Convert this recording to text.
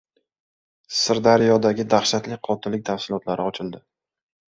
Sirdaryodagi dahshatli qotillik tafsilotlari ochildi